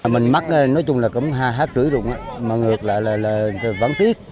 mình mắc nói chung là có hai năm trưỡi rụng mà ngược lại là vắng tiếc